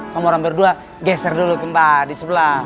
kamu orang berdua geser dulu kembar di sebelah